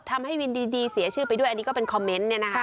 ทำให้วินดีเสียชื่อไปด้วยอันนี้ก็เป็นคอมเมนต์เนี่ยนะคะ